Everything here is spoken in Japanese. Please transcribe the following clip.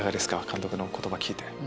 監督の言葉聞いて。